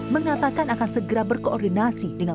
mengatakan akan segera berkoordinasi dengan